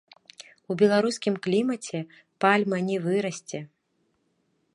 У беларускім клімаце пальма не вырасце.